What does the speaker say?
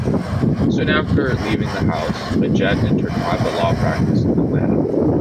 Soon after leaving the House, Majette entered private law practice in Atlanta.